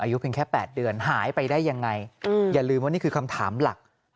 อายุเพียงแค่๘เดือนหายไปได้ยังไงอย่าลืมว่านี่คือคำถามหลัก